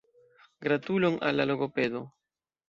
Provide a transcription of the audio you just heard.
Gratulon al la logopedo!